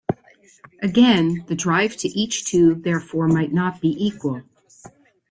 Again, the drive to each tube therefore might not be equal.